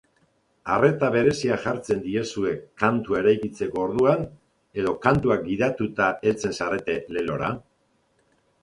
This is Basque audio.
Arreta berezia jartzen diezue kantua eraikitzeko orduan edo kantuak gidatuta heltzen zarete lelora?